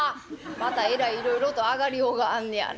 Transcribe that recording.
「またえらいいろいろと上がりようがあんねやな。